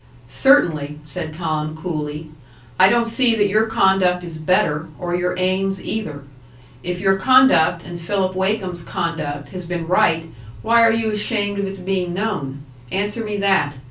"Certainly," said Tom, coolly. "I don't see that your conduct is better, or your aims either. If your conduct, and Philip Wakem's conduct, has been right, why are you ashamed of its being known? Answer me that.